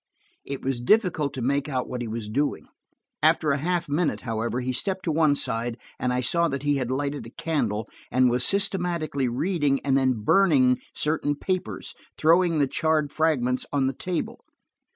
It was difficult to make out what he was doing. After a half minute, however, he stepped to one side, and I saw that he had lighted a candle, and was systematically reading and then burning certain papers, throwing the charred fragments on the table.